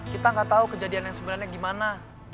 kita nggak tahu kejadian yang sebenarnya gimana